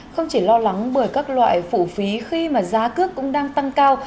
không chỉ lo lắng bởi các loại phụ phí khi mà giá cước cũng đang tăng cao